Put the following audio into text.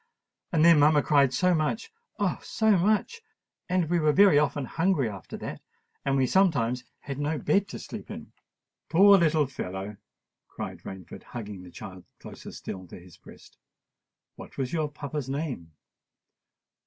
And then mamma cried so much—oh! so much; and we were very often hungry after that—and we sometimes had no bed to sleep in." "Poor little fellow!" cried Rainford, hugging the child closer still to his breast. "What was your papa's name?"